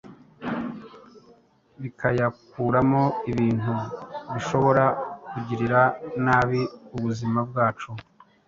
bikayakuramo ibintu bishobora kugirira nabi ubuzima bwacu,